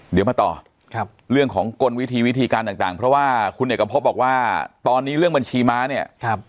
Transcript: เดี๋ยวมาต่อครับเรื่องของกลวิธีวิธีการต่างเพราะว่าคุณเอกพบบอกว่าตอนนี้เรื่องบัญชีม้าเนี่ย